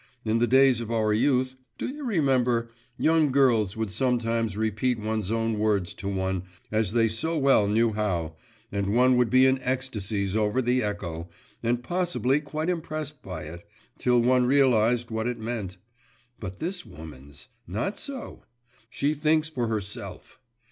In the days of our youth, do you remember, young girls would sometimes repeat one's own words to one, as they so well knew how, and one would be in ecstasies over the echo, and possibly quite impressed by it, till one realised what it meant? but this woman's … not so; she thinks for herself.